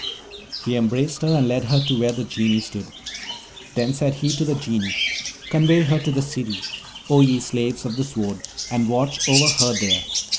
He embraced her, and led her to where the Genii stood. Then said he to the Genii, 'Convey her to the City, O ye slaves of the Sword, and watch over her there.